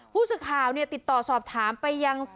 ผู้ศึกข่าวเนี่ย